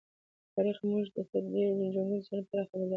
تاریخ موږ ته د تېرو جنګونو د زیانونو په اړه خبرداری راکوي.